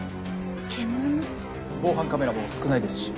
防犯カメラも少ないですし。